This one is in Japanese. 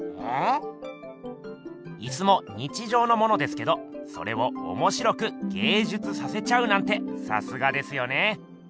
椅子も日じょうのものですけどそれをおもしろく芸術させちゃうなんてさすがですよね。